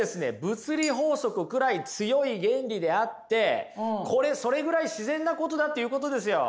物理法則くらい強い原理であってこれそれぐらい自然なことだっていうことですよ。